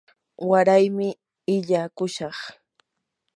waraymi illaakushaq.